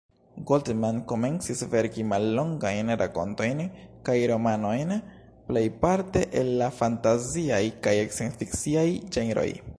Goldman komencis verki mallongajn rakontojn kaj romanojn, plejparte el la fantaziaj kaj sciencfikciaj ĝenroj.